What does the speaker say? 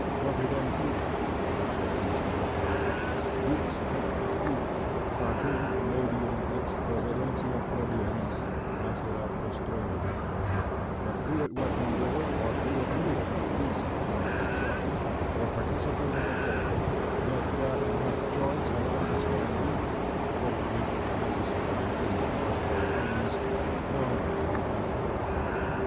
"Providentia" (by which they understand God) "dux et caput; Fatum, medium ex providentia prodiens; Natura postremum" But be it what he will, or be it any of these (God excepted) or participating of all: yet that it hath choice or understanding (both which are necessarily in the cause of all things) no man hath avowed.